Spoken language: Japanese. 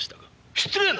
失礼な！